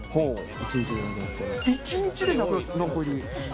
１日でなくなる？